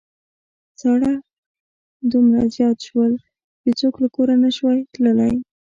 ساړه دومره زيات شول چې څوک له کوره نشوای تللای.